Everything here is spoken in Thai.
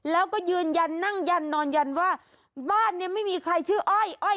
แล้วก็ยืนยันนั่งยันนอนยันว่าบ้านเนี่ยไม่มีใครชื่ออ้อยอ้อย